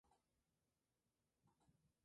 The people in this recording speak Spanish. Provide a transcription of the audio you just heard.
Compitió con el equipo Dale Earnhardt Inc.